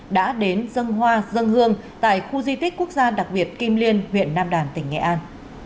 đã đến dân hoa dân hương tại khu di tích quốc gia đặc biệt kim liên huyện nam đàn tỉnh nghệ an